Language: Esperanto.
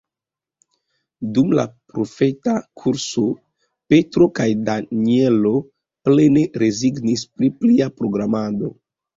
Dum la profeta kurso Petro kaj Danjelo plene rezignis pri plia programado.